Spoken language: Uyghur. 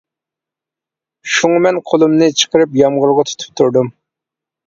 شۇڭا مەن قۇلۇمنى چىقىرىپ يامغۇرغا تۇتۇپ تۇردۇم.